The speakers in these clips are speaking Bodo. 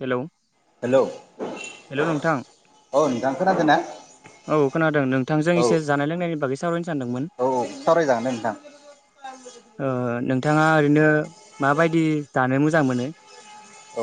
हेलौ हेलौ औ हेलौ नोंथां नोंथां खोनादों ना औ औ खोनादों नोंथांजों एसे जानाय लोंनायनि बागै सावरायनो सानदोंमोन औ सावरायजागोन दे नोंथां ओ ओ नों थाङा ओरैनो माबायदि जानो मोजां मोनो?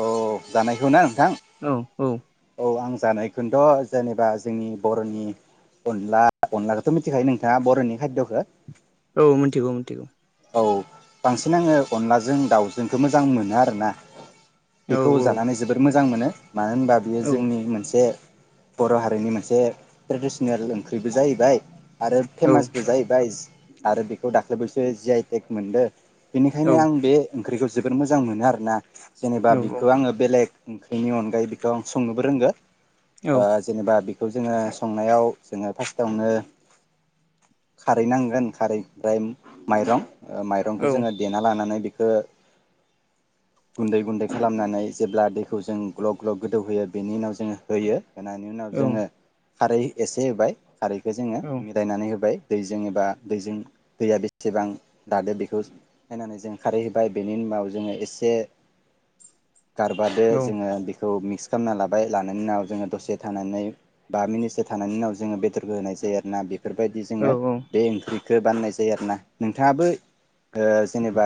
औ । जानायखौ ना नोंथां औ आं जानायखोनथ जेनेबा जोंनि बर'नि अनला अनलाखौथ' मिथिखायो नोंथाङा बर'नि खायद'खौ? औ मिथिगौ मिथिगौ । औ बांसिन आङो अनलाजों दाउजोंखो मोजां मोनो आरो ना । औ बेखौ औ जानानै जोबोर मोजां मोनो । मानो होनबा बियो औ जोंनि मोनसे बर' हारिनि मोनसे ट्रेडिसनेल ओंख्रिबो जाहैबाय । आरो औ फेमासबो जाहैबाय । आरो बेखौ दाख्लै बैसोस जि आइ थेग मोनदों । औ बेनिखायनो आं बे ओंख्रिखौ जोबोर मोजां मोनो आरो ना? जेनेबा औ बिखो आङो बेलेग ओं इनि अनगायै बेखौ आं संनोबो रोंगो औ । ओ जेनेबा बि खौ जोङो संनायाव जोङो फार्स्टावनो खारै नांगोन खारै ओमफ्राय माइरं । ओ माइरंखौ औ जोङो देना लानानै बे खो गुन्दै गुन्दै खालामनानै जेब्ला दैखौ जों ग्लब ग्ल'ब गोदौहोयो बेनि उनाव जोङो होयो । होनायनि उनाव जोङो खारै एसे होबाय खारैखो जोङो मिलायनानै होबाय। दैजों एबा दैजों दैया बेस सेबां दादो बेखौ नायनानै जों खारै होबाय बेनि उनाव जोङो एसे गारबादो जोङो बेखौ मिक्स खामना लाबाय लानायनि उनाव जोङो दसे थानानै बा मिनिटसो थानायनि उनाव जोङो बेदरखो होनाय जायो आरोना बे फोरबायदि औ जोङो औ बे ओंख्रि खो बानायनाय जायो आरो ना। नोंथाङाबो ओ जेनेबा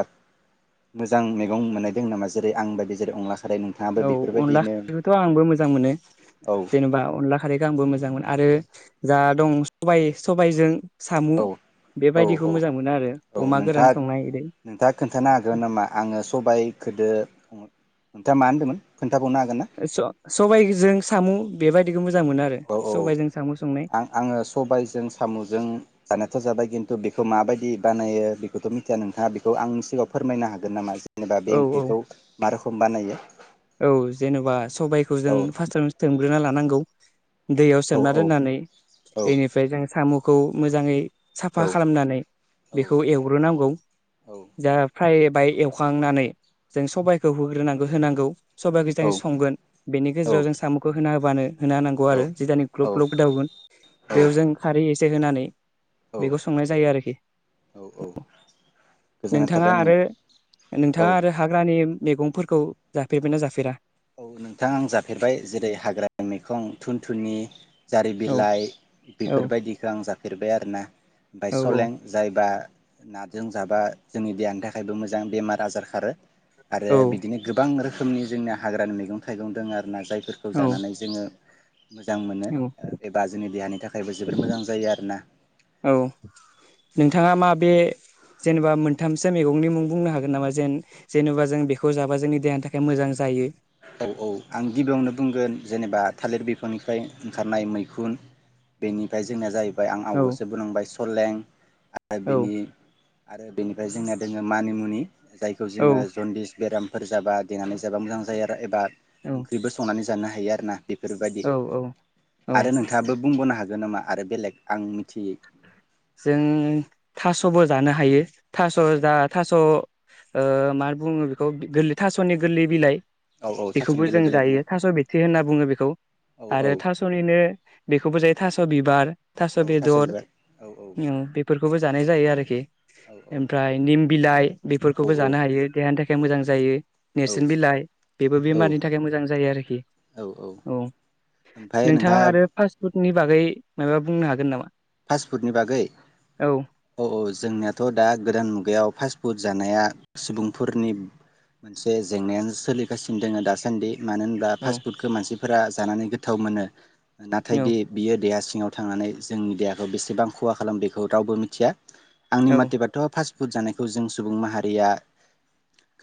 मोजां मैगं मोननायदों नामा जेरै आं बायदि जेरै अनला खारै नोंथाङाबो औ अनला बेफोरबायदिनो खा [inaudible] खौथ' आंबो मोजां मोनो औ जेनेबा अनला खारैखौ आंबो मोजां मोनो आरो जा दं सबाइ सबाइजों आरो औ-औ-औ-औ अमा गोरान संनाय नोंथाङा-नोंथाङा खोन्थानो हागोन नामा आङो सबाइखोदो अमा नोंथाङा मा होनदोमोन खोन ओ स- सबाइजों सामु बेबायदिखौ मोज औ-औ-औ आं-आङो सबायजों सामुजों जानायाथ' जाबाय गेन थु बेखौ माबायदि बानायो बेखौथ' मिथिया, नोंथाङा बेखौ आंनि सिगाङाव फोरमायनो हागोन नामा ज जेनेबा बे औ औ ओंख्रिखौ मा रोख म बानायो? औ जेनेबा सबाइखौ औ जों फाष्टावनो सोम ग्रोना लानांगौ। दैयाव औ सोमना औ दोननानै औ इनिफ्राय जों सामु खौ मोजाङै औ साफा खालामनानै बेखौ एवग्रोनांगौ औ दा फ्राइ बाय एवखांनानै जों सबायखौ होग्रोनांगौ होनांगौ। सबाय औ [unintelligible] संगोन बेनि गेजेराव जों औ साम'खौ होना हो बानो होना होनांगौ आरो जिदानि ग्लुप-ग्लुप गोदाउ गोन बेयाव जों खारै एस से होनानै बेखौ संनाय जायो आरोखि, औ औ गोजोननाय नोंथाङा थाबाय नों आरो औ नोंथाङा आरो हाग्रानि मेगंफोरखौ जा फेरबाय ना जाफेरा? औ नोंथां आं जाफेरबाय जेरै हाग्रानि मैखुं थुन थुनि जारि औ बिलाइ औ बेफोरबायदिखौ आं जाफेरबाय आरोना ओमफाय औ सलें जायबा नाजों जाबा जोंनि देहानि थाखायबो मोजां बेमार आजार खारो आरो औ बिदिनो गोबां रोखोम खोमनि जोंना हाग्रानि मैगं थाइगं दोङो आरो ना जाय फोरखौ जानानै औ जोङो मोजां मोनो औ एबा जोंनि देहानि थाखायबो जोबोर मोजां जायो आरोना। औ नोंथाङा मा बे जेनेबा मोनथामसो मेगंनि मुं बुंनो हागोन नामा जेन जेनेबा जों बेखौ जाबा जोंनि देहानि थाखाय मोजां जायो औ औ आं गिबियावनो बुंगोन जेनेबा थालिर बिफांनिफ्राय ओंखारनाय मैखुन बेनिफाय जोंनिया जाहै बाय आं औ आवगोसो बुंलांबाय सलें आरो औ बिनि आरो बेनिफाय जोंनिया दोङो मानिमुनि जायखौ औ जोङो जन्दिस बेराम फोर जाबा देनानै जाबा मोजां जायो आर दा एबा औ ओंख्रिबो संनानै जानो हायो आरो ना बेफोरबायदि औ औ औ आरो नोंथाङाबो बुंबावनो हागोन नामा आरो बेलेग आं मिथियि जों थास'बो जानो हायो थास' औ दा थास' ओ मार बुङो बेखौ गोरलै थास'नि गोरलै बिलाइ। औ औ थास' बेखौबो जों बेलेग बेलेग बुङो जायो थास' बिथ्रि होनना बुङो बेखौ औ औ आरो थास'निनो बेखौबो जायो थास बिबार औ थास' बिबार औ औ ओम बेफोरखौबो जा नाय जायो आरोखि औ औ ओमफ्राय निम बिलाइ औ बेफोरखौबो जानो हायो देहानि थाखाय मोजां जायो औ नेरसोन बिलाइ बेबो औ औ बेमारनि थाखाय मोजां जायो आरोखि ओमफ्राय औ नोंथाङा आरो फास्ट फुड नि बागै माबा बुंनो हागोन नामा? फास्ट फुडनि बागै औ औ औ जोंनियाथ' दा गोदान मुगायाव फास्ट पुड जानाया सुबुंफोरनि मोनसे जेंनायानो सोलिगासिनो दोङो दासान्दि मानो होनब्ला औ फास्ट फुडखौ मानसि फोरा जानानै गोथाव मोनो। नाथाय औ बि बियो देयास सिङाव थांनानै जोंनि देहा आव बेसेबां खहा खालामो बेखौ रावबो मिथिया। आंनि औ मटेबाथ' फास्ट फुद जानायखौ जों सुबुं माहारिया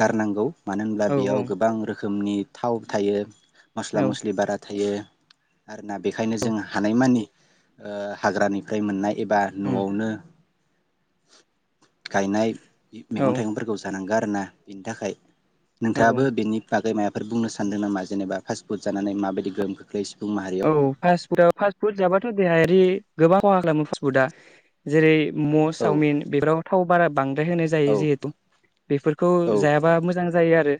गारनांगौ। मानो होनब्ला औ बेयाव गोबां रोख खोमनि थाव थायो। मस्ला औ मस्लि बारा थायो। दा बेखायनो जोङो हानायमानि। ओ हाग्रानि फ्राय मोननाय। एबा न'आवनो। गायनाय औ मैगं थाइगंफोरखौ जानांगोन। आरोना बिनि थाखाय। औ नोंथाङाबो बेनि बागै माया फोर बुंनो सानदों नामा जेनेबा फासटफुड जानानै माबायदि गोहोम खोख्लौस। औ फास फुटाव पासफुट जाबाथ देहायारि। गोबां खहा खालामो पासपुदआ जेरै। मम' औ सावमिन बेफोराव थाव बारा बांद्राय होनाय जायो औ जिहेतु बेफोरखौ औ जायाबा मोजां जायो आरो।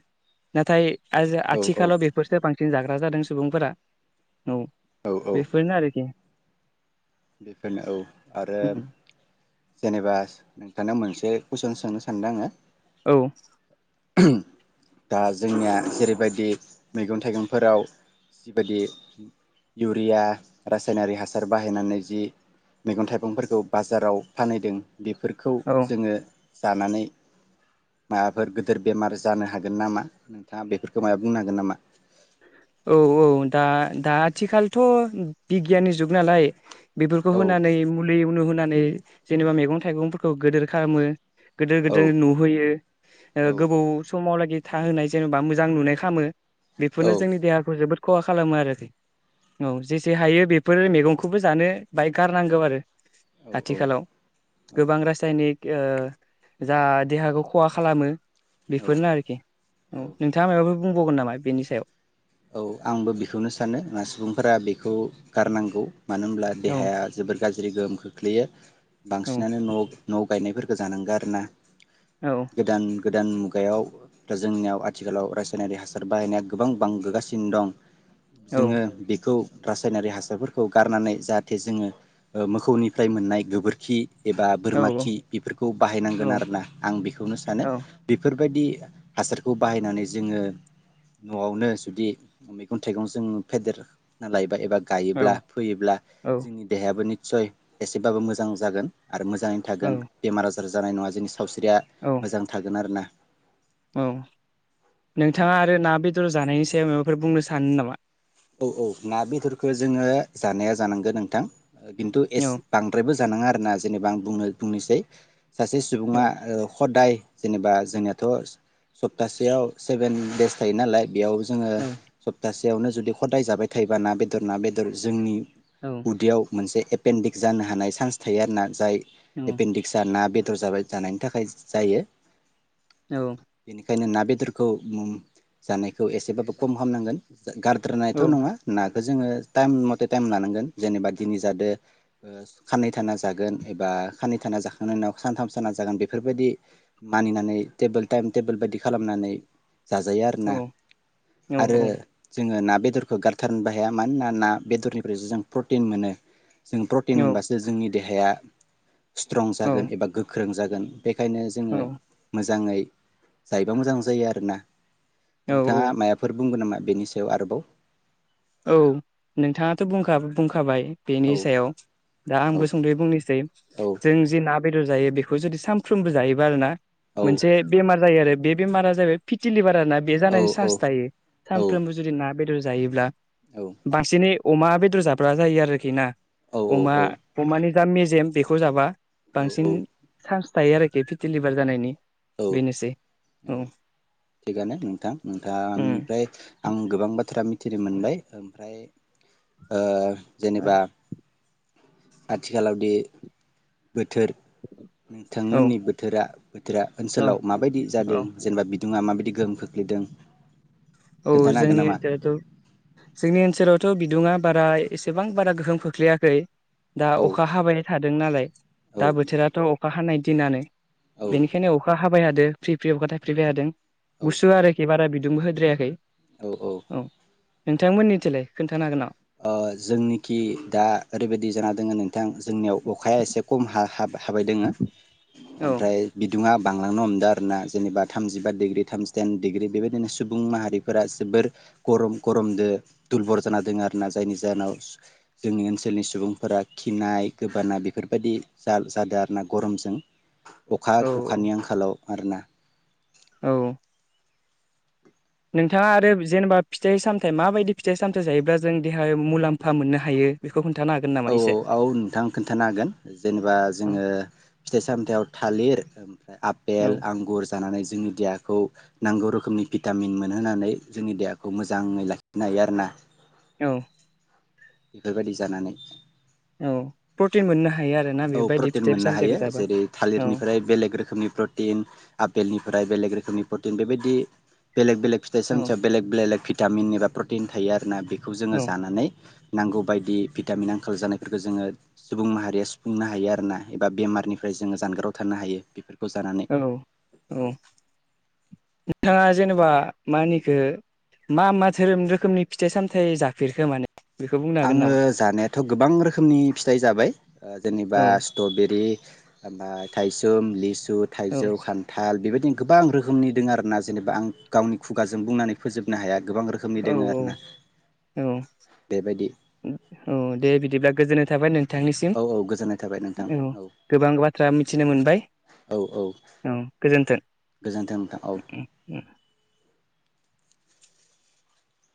नाथाय। आजो औ आथि खाालाव औ बेफोरखो बांसि सिन जाग्रा जादों सुबुंफोरा। औ औ औ बेफोरनो आरोकि। बेफोरनो औ आरो उम जेनेबा नोंथांनाव मोनसे। बे कुइसन सोंनो सानदो आङो। औ दा जोंनिया जेरैबायदि मैगं थाइगंफोराव जिबायदि इउरिया रासायनारि हासार बाहायनानै दि मैगं थाइगंफोरखौ बाजाराव फानहैदों। बेफोरखौ औ जोङो। जानानै माबाफोर गोदोर बेमार जानो हागोन नामा नोंथाङा बेफोरखौ मायबा बुंनो हागोन नामा? औ औ दा दा आथिखालथ' बिगियाननि जुग नालाय। बेफोरखौ औ होनानै मुल दै उनु होनानै जेनेबा मेगं थाइगंफोरखौ गोदोर खालामो। गोदो औ गोदोर नुहोयो ओ औ गोबाव समावलागि। था होनाय जेनेबा मोजां नुनाय खामो। औ बेफोरनो जोंनि देहाखौ जोबोद खहा खालामो आरोखि औ जेसे हायो बेफोर मेगंखौबो जानो बाहाय गारनांगौ आरो आथिखालाव गोबां रासायनिक के ओ जा देहाखौ खहा खालामो औ बेफोरनो आरोखि औ नोंथाङा मायबाफोर बुंबावगोन नामा बेनि सायाव औ आंबो बेखौनो सानो ओ सुबुंफोरा बेखौ गारनांगौ मानो होमब्ला औ देहाया जोबोद गाज्रि गोहोम खोख्लैयो औ बांसिनानो न न गायनायफोर जानंगो आरो ना औ गोदान गोदान मुगायाव दा जोंनियाव आथिखालाव रासायनारि हासार बाहायनाया गोबां बांबोगासिनो दं औ जोङो बेखौ रासायनारि हासारफोरखौ गारनानै जाहाथे जोङो मोसौनिफ्राय मोननाय गोबोरखि एबा औ बोरमा खि बेफोरखौ बाहायनांगोन औ आरोना आं बेखौनो सानो औ बेफोर बेबायदि हासारखौ बाहायनानै जोङो नआवनो जुदि मैगं थाइगं जों फेदेरना लायो लायोब्ला बा गायोबा फोयोब्ला जोंनि देहायाबो निदसय एसेबाबो मोजां जागोन आरो मोजाङैनो औ थागोन बेमार आजार जानाय नङा जोंनि सावस्रिया औ मोजां थागोन आरो ना औ नोंथाङा आरो ना बेदर जानायनि सायाव माबाफोर बुंनो सानो नामा औ औ ना बेदरखौ जोङो जानाया जानांगौ नोंथां खिन्थु औ एसे बांद्रायबो जानाङा आरो ना जेनेबा आं बुंनो बुंनोसै सासे औ सुबुङा ओ हदाय जेनेबा जोंनियाथ' सप्तासेयाव सेबेन देस थायो नालाय बेयाव जोङो औ सप्तासे बेयावनो जुदि हदाय जाबाय थायोबा ना बेदर ना बेदर जोंनि औ उदैयाव मोनसे एपेन्डिक्स जानो हानाय चान्स थायो आरोना जाय एपेन्डिक्सआ ना बेद जाबाय जानायनि थाखाय जायो। औ। बेनिखायनो ना बेदरखौ जानायखौ एसेबाबो खम खालामनांगोन गारद्रा गौथ' नङा ना जोङो टाइम मथे टाइम जानांगोन जेनेबा दिनै जादों साननैै थाना जागोन एबा साननैै थाना जाखांनायनि उनाव सानथाम थाना जागोन बेफोरबायदि मानिनानै टेबोल टाइम टेबोल बायदि खालामनानै। जाजायो आरोना आरो जोङो ना खो गारथारनोबो हाया मानोना ना बेदरनिफ्रायसो जों प्रटिन मोनो। जों प्रटिन मोनबासो जोंनि देहाया स्ट्रं जागोन एबा गोख्रों जागोन। गोन। बेखायनो जोङो मोजाङै जायोबा मोजां जायो आरोना। औ औ नोंथाङा माबाफोर बुंगोन नामा? बेनि सायाव आरोबाव। औ नोंथाङाथ' बुंखा बुंखाबाय। बेनि औ सायाव दा औ आंबो सुंद'यै बुंनोसै औ जों जे ना बेदर बेदर जायो बेखौ जुदि सानफ्रोमबो जायोबा आरोना। औ मोनसे बेमार जायो आरो। बे बेमारा जाबाय फिटि लिभार। आरोना बे औ जानायनि चान्स थायो औ सानफ्रोमबो जुदि ना बेदर जायोब्ला औ बांसिनै अमा बेदर जाब्ला जायो आरोखिना। औ अमा अमानि मेजेम बेखौ जाबा। बांसिन औ औ सान्स थायो आरोखि फिथि लिभार जानायनि। औ बेनोसै औ थिगानो नोंथां उम नोंथांनिफ्राय आं गोबां बाथ्रा मिथ मोनबाय ओमफ्राय। ओ औ जेनेबा। आथिखालावदि। [inaudible] थोर औ नोंथांमोननि बोथोरा बोथोरा ओनसोलाव माबायदि जादों औ जेनेबा बिदुङा माबायदि। गोहोम खोख्लैदों। औ खोन्थानो हागोन जोंनि नामा ओनसोलावथ' जोंनि ओनसोलाव थ' बिदुङा बारा एसेबां बारा गोहोम खोख्लैयाखै। दा औ अखा हाबाय थादों। दों नालाय। औ दा बोथोराथ' अखा हानाय। दिनानो। औ बेनिखायनो अखा हाबाय हादो प्रि फ्रि अखा थाइ फ्रिबाय हादों औ गुसु आरो खि बारा बिद [unintelligible] खै औ औ नोंथांमोननि थिलाय खोन्थानो हागोन नामा? ओ जोंनिखि दा ओरैबायदि जाना दोङो नोंथां जोंनियाव अखाया एसे कम हा-हाबाय हाबाय दोंङो औ ओमफ्राय बिदुुंङा बांलांनो हमदों आरो ना जेनेबा थामजिबा डिग्रि थामजि दाइन डिग्रि बेबायदिनो सुबुं माहारिफोरा जोबोर गरम गरमदो दुलबर जाना दोङो आरो आरोना जायनि जाहोनाव जोंनि ओनसोलनि सुबुंफोरा खिनाय गोबानाय बेफोरबायदि जा-जादों आर ना गरमजों औ अखा-अखानि आंखालाव आरोना औ नोंथाङा आरोब जेनेबा फिथाइ सामथायाइ माबायदि फिथाइ सामथाइ जायोब्ला जों देहायाव मुलाम्फा मोननो हायो बेखौ खोन्थानो हागोन नामा औ औ एसे औ नोंथां खोन्थानो हागोन जेनेबा औ जोङो फिथाइ सामथायाव थालिर ओमफ्राय औ आफपेल आंगुर जानानै जोंनि देहाखौ नांगौ रोखोमनि भिटामिन मोनहोनानै जोंनि देहाखौ मोजाङै लाखिनो हायो आरो ना औ बेफोरबायदि जानानै औ प्रटिन मोननो हायो आरोना औ बेबायदि प्रटिन फिथाइ मोननो सामथाइखौ हायो जाबा जेरै औ थालिरनिफ्राय बेलेग रोखोमनि प्रटिन आपेलनिफ्राय बेलेग रोखोमनि प्रटिन बेबायदि बेलेग बेलग फिथइ औ सामथाइयाव बेलेग बेलेग भि भिटामिन एबा प्रटिन थायो आरोना बेखौ जोङो औ जानानै नांगौ बायदि बुंनो हायो आरोना एबा बेमारनिफ्राय जोङो जानगाराव थानो हायो जानानै औ औ औ नोंथाङा जेनेबा मा होनखो मा मा धोरोम रोखोमनि फिथाइ सामथाइ जाफेरखो माने बेखौ बुंनो हागोन आङो नामा जानायाथ' गोबां रोखोमनि फिथाइ जाबाय जेनेबा औ स्ट्रबेरि ओमफ्राय थायसुम लिस सु औ थाइजौ खान्थाल बेबायदि गोबां रोखोमनि दङो आरोना जेनेबा आं गावनि खुगाजों बुंनानै फोजोबनो हाया गोबां रोखोमनि औ दोङो आरोना औ बेबायदि औ दे दे बिदिब्ला गोजोननाय थाबाय नों थांनिसिम औ औ गोजोननाय थाबाय नोंथां औ गोबां बाथ्रा मिथिनो मोनबाय औ औ औ गोजोन्थों गोजोन्थों नोंथां औ